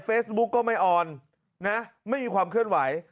ก็ไม่ออนนะไม่มีความเคลื่อนไหว